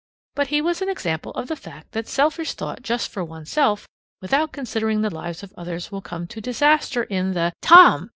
But he was an example of the fact that selfish thought just for oneself, without considering the lives of others, will come to disaster in the Tom!